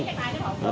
ăn lên trật tự đây